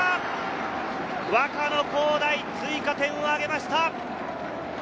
若野晃大、追加点をあげました。